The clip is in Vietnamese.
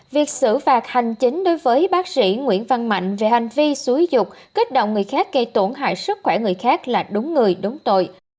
việc xử phạt hành chính đối với bác sĩ nguyễn văn mạnh về hành vi xúi dục kích động người khác gây tổn hại sức khỏe người khác là đúng người đúng tội